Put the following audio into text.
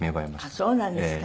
あっそうなんですか。